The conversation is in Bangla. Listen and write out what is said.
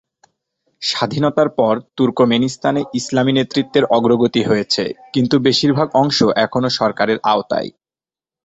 স্বাধীনতার পর, তুর্কমেনিস্তানে ইসলামী নেতৃত্বের অগ্রগতি হয়েছে, কিন্তু বেশিরভাগ অংশ এখনো সরকারের আওতায়।